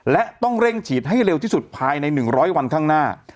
และต้องเร่งฉีดให้เร็วที่สุดภายใน๑๐๐วันข้างหน้า